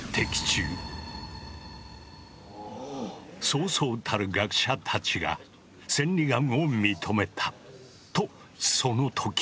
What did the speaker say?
そうそうたる学者たちが千里眼を認めたとその時。